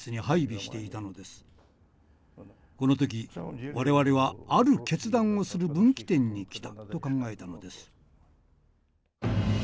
この時我々はある決断をする分岐点に来たと考えたのです。